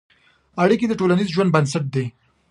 اړیکې د ټولنیز ژوند بنسټ دي.